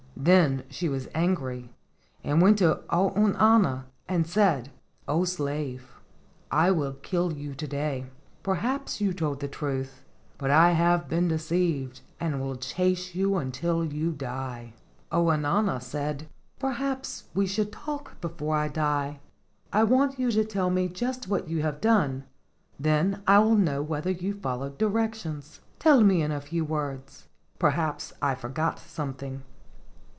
Then she was angry, and went to Ounauna and said: "O slave, I will kill you to day. Perhaps you told the truth, but I have been deceived, and will chase you until you die." Ounauna said: "Perhaps we should talk before I die. I want you to tell me just what you have done, then I will know whether you followed i6o LEGENDS OF GHOSTS directions. Tell me in a few words. Perhaps I forgot something."